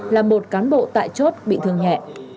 là một cán bộ tại chốt bị thương nhẹ